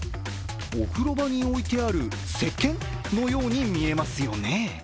お風呂場に置いてあるせっけんのようにみえますよね。